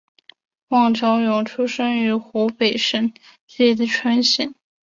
汪潮涌出生于湖北省蕲春县。